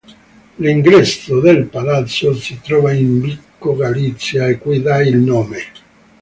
L'ingresso del palazzo si trova in vico Galizia, a cui dà il nome.